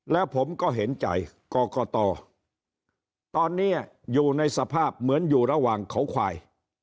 แล้วผมก็เห็นใจกรกตตอนนี้อยู่ในสภาพเหมือนอยู่ระหว่างเขาควาย